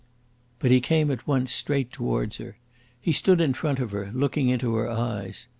But he came at once straight towards her. He stood in front of her, looking into her eyes.